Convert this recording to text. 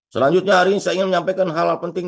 selanjutnya hari ini saya ingin menyampaikan hal hal penting